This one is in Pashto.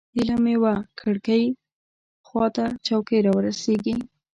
هیله مې وه کړکۍ خوا ته چوکۍ راورسېږي.